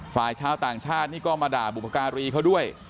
ฝ่ายชาวต่างชาตินี่ก็มาด่าบุพการีเขาด้วย